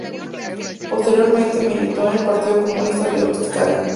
Posteriormente militó en el Partido Comunista de Euskadi.